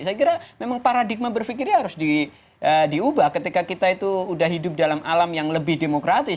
saya kira memang paradigma berpikirnya harus diubah ketika kita itu sudah hidup dalam alam yang lebih demokratis